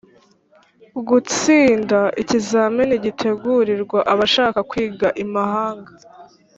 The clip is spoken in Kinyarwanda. Gutsinda ikizamini gitegurirwa abashaka kwiga imahanga.